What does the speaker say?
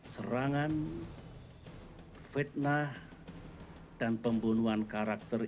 serangan fitnah dan pembunuhan karakter